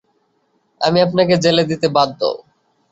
আমি আপনাকে জেলে দিতে বাধ্য।